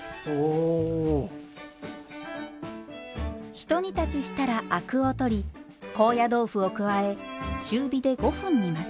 ひと煮立ちしたらアクを取り高野豆腐を加え中火で５分煮ます。